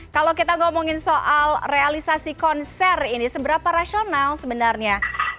kalau kita ngomongin soal realisasi konser ini seberapa rasional sebenarnya